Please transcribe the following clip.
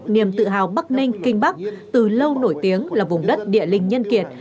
niềm tự hào bắc ninh kinh bắc từ lâu nổi tiếng là vùng đất địa linh nhân kiệt